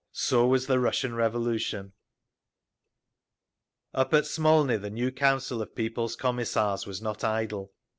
So was the Russian Revolution…. Up at Smolny the new Council of People's Commissars was not idle.